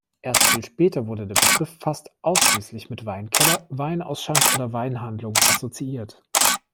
Erst viel später wurde der Begriff fast ausschließlich mit „Weinkeller“, „Weinausschank“ oder „Weinhandlung“ assoziiert.